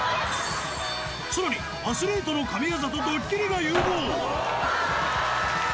さらに、アスリートの神業とドッキリが融合。